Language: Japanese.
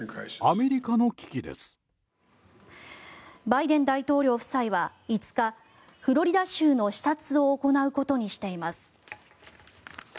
バイデン大統領夫妻は５日フロリダ州の視察を行うことにしています。